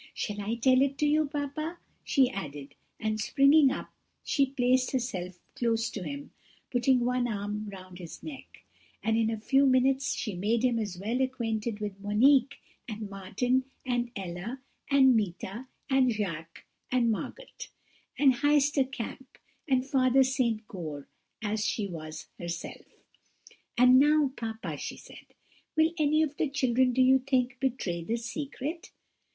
Shall I tell it to you, papa?" she added; and springing up, she placed herself close to him, putting one arm round his neck, and in a few minutes she made him as well acquainted with Monique, and Martin, and Ella, and Meeta, and Jacques, and Margot, and Heister Kamp, and Father St. Goar, as she was herself; "and now, papa," she said, "will any of the children, do you think, betray the secret?"